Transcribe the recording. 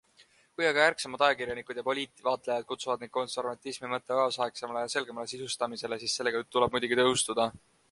Kui aga ärksamad ajakirjanikud ja poliitikavaatlejad kutsuvad meid konservatismi mõiste kaasaegsemale ja selgemale sisustamisele, siis sellega tuleb muidugi nõustuda.